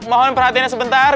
mohon perhatiannya sebentar